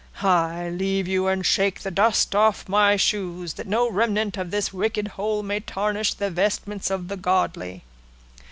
"I leave you, and shake the dust off my shoes, that no remnant of this wicked hole may tarnish the vestments of the godly."